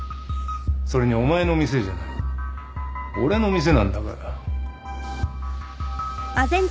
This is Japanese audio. それにお前の店じゃない俺の店なんだから。